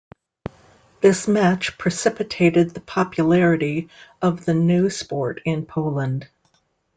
This match precipitated the popularity of the new sport in Poland.